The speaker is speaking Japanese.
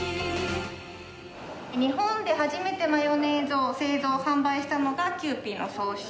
日本で初めてマヨネーズを製造販売したのがキユーピーの創始者